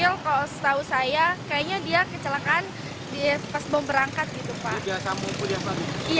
yang kalau setahu saya kayaknya dia kecelakaan pas bom berangkat gitu pak